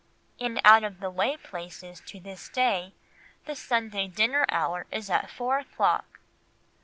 In out of the way places to this day the Sunday dinner hour is at four o'clock.